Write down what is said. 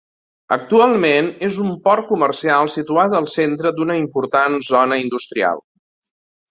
Actualment, és un port comercial situat al centre d'una important zona industrial.